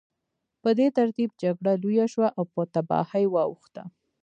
په دې ترتیب جګړه لویه شوه او په تباهۍ واوښته